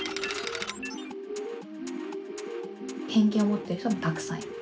「偏見を持ってる人もたくさんいる。